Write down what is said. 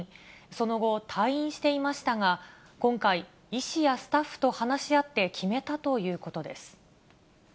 その後、退院していましたが、今回、医師やスタッフと話し合って決めたということです。